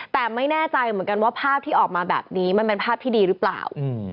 แต่ไม่แน่ใจเหมือนกันว่าภาพที่ออกมาแบบนี้มันเป็นภาพที่ดีหรือเปล่า